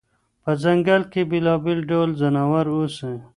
په ځنګل کې بېلابېل ډول ځناور اوسي.